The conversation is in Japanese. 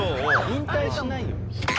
引退じゃないよ。